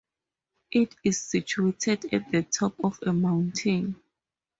It is situated at the top of a mountain.